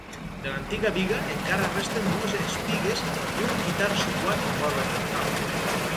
De l'antiga biga encara resten dues espigues i un quitar situat vora el portal.